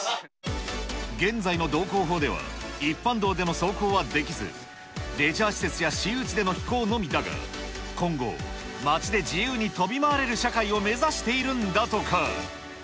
現在の道交法では、一般道での走行はできず、レジャー施設や私有地での飛行のみだが、今後、街で自由に飛び回れる社会を目指しているんだとか。